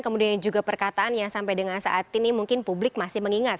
kemudian juga perkataannya sampai dengan saat ini mungkin publik masih mengingat